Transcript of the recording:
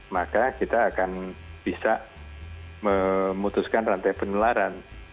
maka kita akan bisa memutuskan rantai penularan